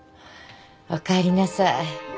おかえりなさい。